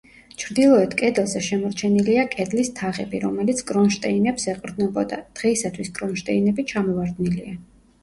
ჩრდილოეთ კედელზე შემორჩენილია კედლის თაღები, რომელიც კრონშტეინებს ეყრდნობოდა; დღეისათვის კრონშტეინები ჩამოვარდნილია.